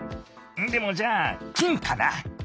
でもじゃあ金かな？